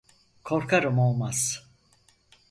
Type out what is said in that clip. Korkarım olmaz.